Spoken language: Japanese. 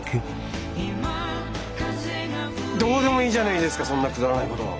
どうでもいいじゃないですかそんなくだらないこと。